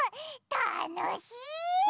たのしい！